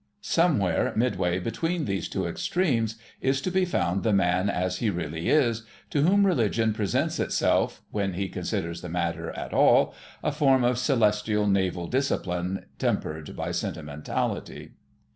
Somewhere midway between these two extremes is to be found the man as he really is, to whom Religion presents itself (when he considers the matter at all) a form of celestial Naval Discipline tempered by sentimentality.